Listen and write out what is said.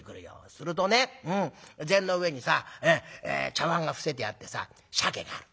するとね膳の上にさ茶わんが伏せてあってさシャケがある。